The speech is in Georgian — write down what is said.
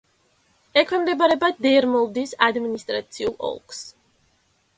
ექვემდებარება დერმოლდის ადმინისტრაციულ ოლქს.